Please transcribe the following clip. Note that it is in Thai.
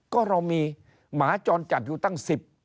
ก็เรามีหมาจรจัดอยู่ตั้ง๑๐